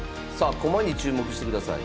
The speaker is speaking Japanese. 駒に注目してください。